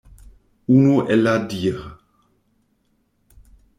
Unu el la dir.